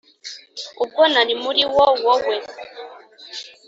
ubwo nari muri wo, wowe,